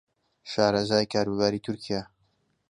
شارەزای کاروباری تورکیا